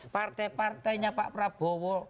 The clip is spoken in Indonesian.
partai partainya pak prabowo